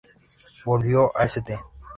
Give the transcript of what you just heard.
Volvió a St.